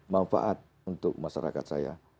manfaat untuk masyarakat saya